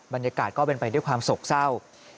บรรยากาศก็เป็นไปด้วยความโศกเศร้า